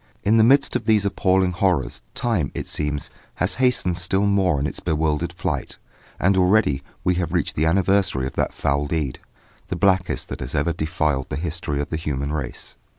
In the midst of these appalling horrors, time, it seems, has hastened still more in its bewildered flight, and already we have reached the anniversary of that foul deed, the blackest that has ever defiled the history of the human race.